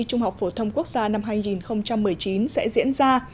trung học phổ thông quốc gia năm hai nghìn một mươi chín sẽ diễn ra